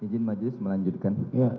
mungkin maju melanjutkan